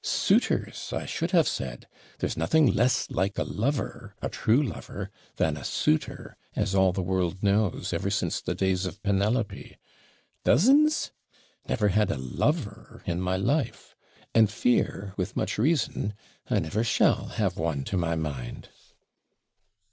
suitors I should have said. There's nothing less like a lover, a true lover, than a suitor, as all the world knows, ever since the days of Penelope. Dozens! never had a lover in my life! And fear, with much reason, I never shall have one to my mind.'